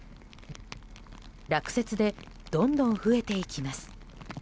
落雪でどんどん増えていきます。